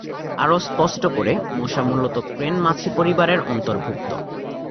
আরও স্পষ্ট করে, মশা মূলত ক্রেন মাছি পরিবারের অন্তর্ভুক্ত।